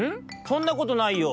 そんなことないよ。